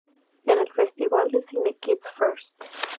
En el Festival de Cine Kids First!